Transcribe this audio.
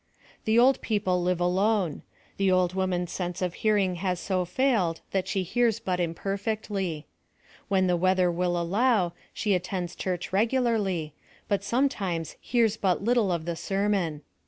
The old people live alone. The old woman's sense of hearing has so failed that she hears but imperfectly. When the weather will al low, slie attends church regularly, but sometimes hears but little of the sermon.